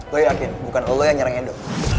lo yakin bukan lo yang nyerang edo